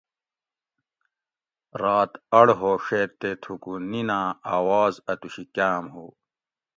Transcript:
رات اڑ ہوڛیت تے تھوکو نِناۤں اۤواز اۤتوشی کاۤم ہو